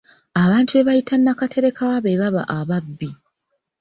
Abantu be bayita nakaterekawa be baba ababbi.